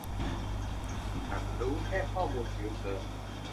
ฉันรู้แค่ข้อมูลผิวเผิน